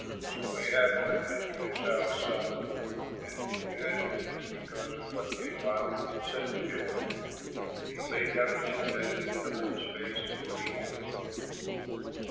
So Ahab went into his house sullen and in bad humor because of what Naboth had said to him. And he lay down on his bed and covered his face and would eat no food.